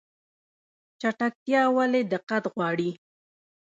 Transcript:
چټکتیا ولې دقت غواړي؟